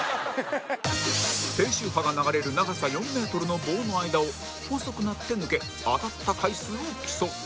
低周波が流れる長さ４メートルの棒の間を細くなって抜け当たった回数を競う